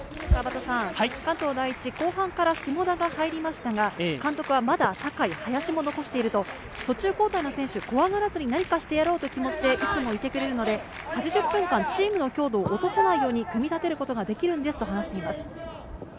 関東第一、後半から下田が入りましたが、監督はまだ坂井、林も残していると途中交代の選手、怖がらずに何かしてやろうという気持ちでいつもいてくれるので、８０分間チームの強度を落とさないように組み立てることができるんですと話しています。